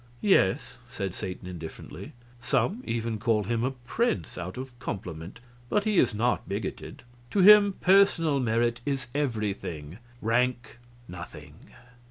"Yes," said Satan indifferently; "some even call him a Prince, out of compliment, but he is not bigoted; to him personal merit is everything, rank nothing."